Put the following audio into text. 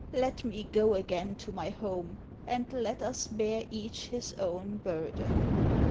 Let me go again to my home, and let us bear each his own burden."